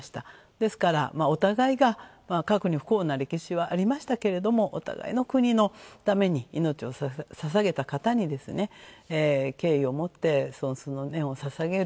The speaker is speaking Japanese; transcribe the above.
ですから、お互いが過去に不幸な歴史はありましたけれどもお互いの国のために命をささげた方に敬意を持って尊崇の念をささげる。